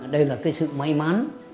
đây là cái sự may mắn